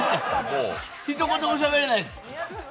ひと言もしゃべれないです。